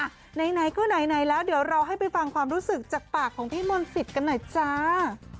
ไหนก็ไหนแล้วเดี๋ยวเราให้ไปฟังความรู้สึกจากปากของพี่มนต์สิทธิ์กันหน่อยจ้า